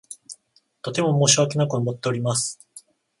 とても申し訳なく思っております。